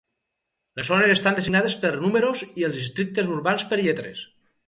Les zones estan designades per números i els districtes urbans per lletres.